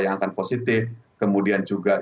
yang akan positif kemudian juga